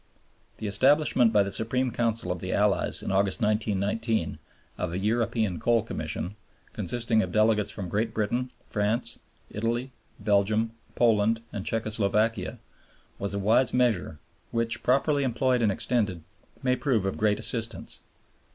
The establishment by the Supreme Council of the Allies in August, 1919, of a European Coal Commission, consisting of delegates from Great Britain, France, Italy, Belgium, Poland, and Czecho Slovakia was a wise measure which, properly employed and extended, may prove of great assistance.